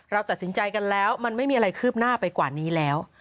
เราตัดสินใจกันแล้วมันไม่มีอะไรคืบหน้าไปกว่านี้แล้ว